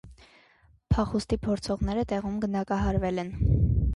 Փախուստի փորձողները տեղում գնդակահարվել են։